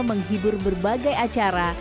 menghibur berbagai acara